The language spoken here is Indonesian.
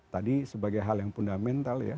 tadi sebagai hal yang fundamental ya